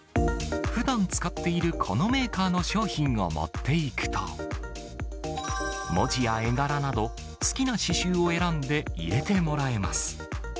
ふだん使っているこのメーカーの商品を持っていくと、文字や絵柄など、好きな刺しゅうを選んで、入れてもらえます。